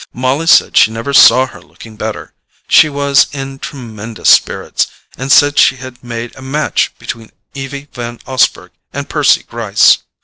Molly said she never saw her looking better; she was in tremendous spirits, and said she had made a match between Evie Van Osburgh and Percy Gryce.